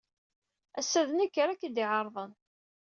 Ass-a, d nekk ara k-id-iɛerḍen.